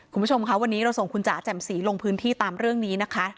คุณผู้ชมค่ะวันนี้เราส่งคุณจ๋าแจ่มสีลงพื้นที่ตามเรื่องนี้นะคะ